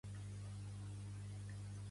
Pertany al moviment independentista el Rafel?